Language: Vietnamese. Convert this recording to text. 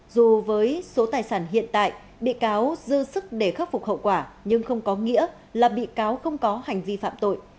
dù với số tài sản hiện tại bị cáo dư sức để khắc phục hậu quả nhưng không có nghĩa là bị cáo không có hành vi phạm tội